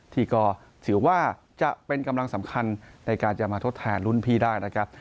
ที่ก็ถือว่าจะเป็นกำลังสำคัญในการจะมาทดแทนรุ่นพี่ได้นะครับ